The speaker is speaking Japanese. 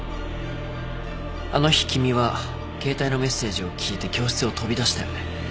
あの日君は携帯のメッセージを聞いて教室を飛び出したよね。